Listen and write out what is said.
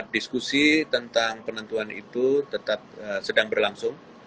diskusi tentang penentuan itu tetap sedang berlangsung